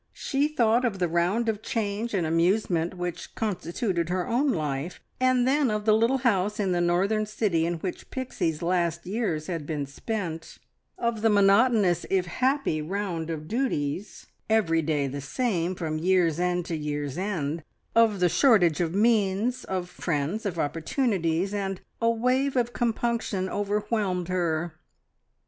She thought of the round of change and amusement which constituted her own life, and then of the little house in the northern city in which Pixie's last years had been spent; of the monotonous, if happy, round of duties, every day the same, from year's end to year's end, of the shortage of means, of friends, of opportunities, and a wave of compunction overwhelmed her.